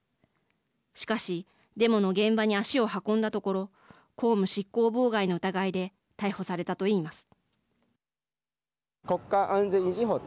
しかしデモの現場に足を運んだところ公務執行妨害の疑いで逮捕されたといいます。